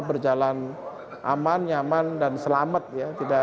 berjalan aman nyaman dan selamat ya